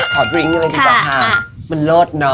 ขอดริงเลยดีกว่าค่ะมันเลิศเนอะ